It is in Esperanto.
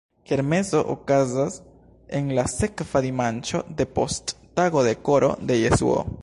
Kermeso okazas en la sekva dimanĉo depost tago de Koro de Jesuo.